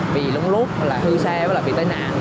bị lống lốt hư xe bị tài nạn